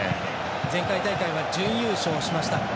前回大会は準優勝しました。